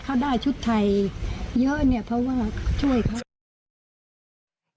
เขาได้ชุดไทยเยอะเนี่ยเพราะว่าช่วยเขา